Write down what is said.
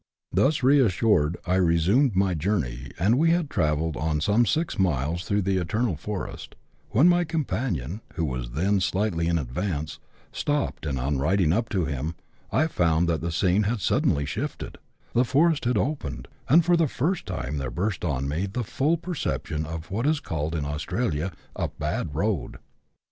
Thus reassured, I resumed my journey, and we had travelled on some six miles through the eternal forest, when my com panion, who was then slightly in advance, stopped, and, on riding up to him, I found that the scene had suddenly shifted ; the forest had opened, and for the first time there burst on me the full perception of what is called, in Australia, a bad road.